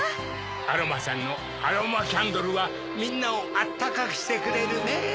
アロマちゃんのアロマキャンドルはみんなをあったかくしてくれるねぇ。